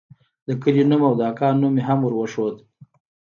د کلي نوم او د اکا نوم مې هم وروښود.